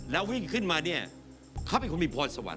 แล้ววิ่งขึ้นมาเนี่ยเขาเป็นคนมีพรสวรร